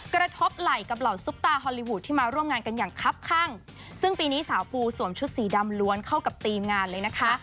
กระทบไหล่กับเหล่าซุปตาฮอลลีวูดที่มาร่วมงานกันอย่างคับข้างซึ่งปีนี้สาวปูสวมชุดสีดำล้วนเข้ากับทีมงานเลยนะคะ